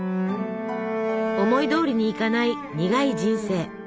思いどおりにいかない苦い人生。